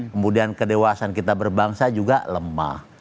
kemudian kedewasan kita berbangsa juga lemah